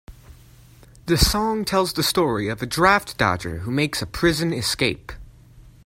The song tells the story of a draft dodger who makes a prison escape.